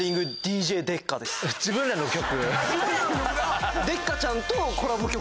自分らの曲。